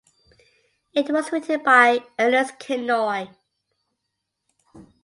It was written by Ernest Kinoy.